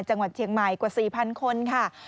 จังหวัดเชียงใหม่กว่า๔๐๐คนค่ะ